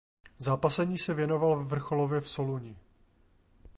Zápasení se věnoval vrcholově v Soluni.